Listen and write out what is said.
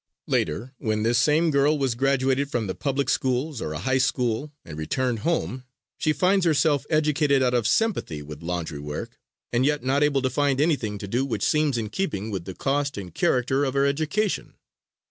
Later, when this same girl was graduated from the public schools or a high school and returned home she finds herself educated out of sympathy with laundry work, and yet not able to find anything to do which seems in keeping with the cost and character of her education.